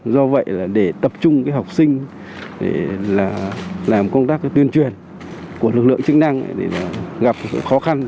do vậy là để tập trung học sinh là làm công tác tuyên truyền của lực lượng chức năng gặp khó khăn